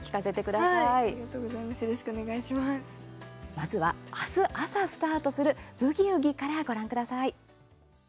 まずは明日、朝スタートする「ブギウギ」からご覧ください。